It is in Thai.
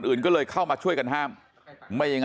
มันต้องการมาหาเรื่องมันจะมาแทงนะ